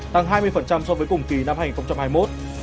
tăng hai mươi so với cùng kỳ năm hai nghìn hai mươi một